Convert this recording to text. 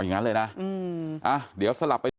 อย่างนั้นเลยนะ